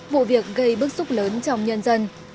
vụ việc gây bức xúc lớn trong nhân dân